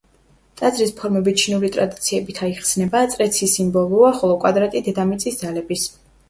ტაძრის ფორმები ჩინური ტრადიციებით აიხსნება: წრე ცის სიმბოლოა, ხოლო კვადრატი დედამიწის ძალების.